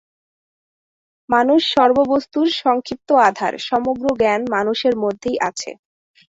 মানুষ সর্ববস্তুর সংক্ষিপ্ত আধার, সমগ্র জ্ঞান মানুষের মধ্যেই আছে।